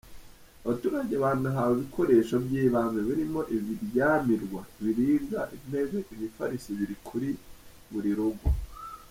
Abaturage banahawe ibikoresho by’ibanze birimo ibiryamirwa, ibirirwa, intebe, imifariso ibiri kuri buri rugo.